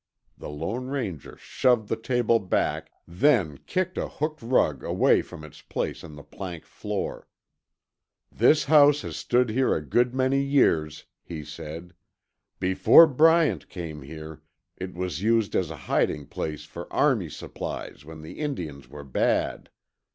The Lone Ranger shoved the table back, then kicked a hooked rug away from its place on the plank floor. "This house has stood here a good many years," he said. "Before Bryant came here, it was used as a hiding place for army supplies when the Indians were bad.